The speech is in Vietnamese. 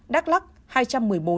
đắk lắc hai trăm một mươi bốn